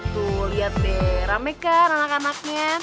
tuh lihat deh rame kan anak anaknya